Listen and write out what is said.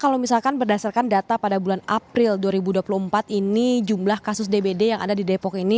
kalau misalkan berdasarkan data pada bulan april dua ribu dua puluh empat ini jumlah kasus dbd yang ada di depok ini